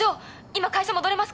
今会社戻れますか？